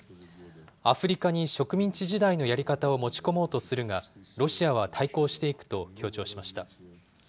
アフリカに植民地時代のやり方を持ち込もうとするが、ロシアは対抗していくと強調しました。